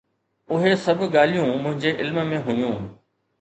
اهي سڀ ڳالهيون منهنجي علم ۾ هيون.